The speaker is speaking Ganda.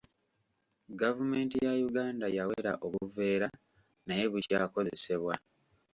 Gavumenti ya Uganda yawera obuveera naye bukyakozesebwa.